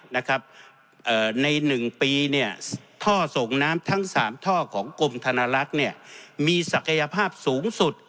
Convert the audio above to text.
ใน๑ปีท่อส่งน้ำทั้ง๓ท่อของกรมธนลักษณ์มีศักยภาพสูงสุด